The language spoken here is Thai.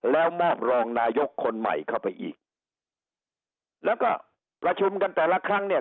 แล้วมอบรองนายกคนใหม่เข้าไปอีกแล้วก็ประชุมกันแต่ละครั้งเนี่ย